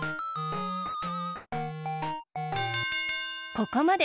ここまで！